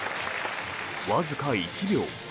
わずか１秒。